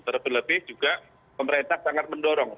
terlebih lebih juga pemerintah sangat mendorong